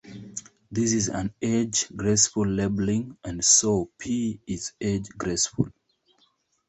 This is an edge-graceful labeling and so "P" is edge-graceful.